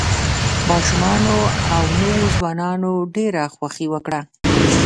ماشومانو او نوو ځوانانو ډېره خوښي وکړه.